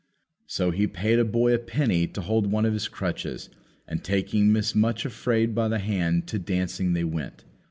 So he paid a boy a penny to hold one of his crutches, and, taking Miss Much afraid by the hand, to dancing they went.